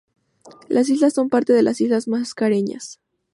Las islas son parte de las islas Mascareñas.